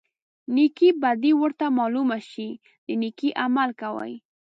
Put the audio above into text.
نیکې بدي ورته معلومه شي د نیکۍ عمل کوي.